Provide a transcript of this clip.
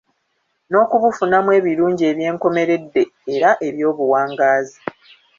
N'okubufunamu ebirungi eby'enkomeredde era eby'obuwangaazi.